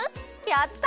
やった！